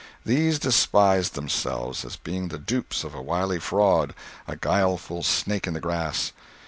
These despised themselves, as being the dupes of a wily fraud, a guileful snake in the grass.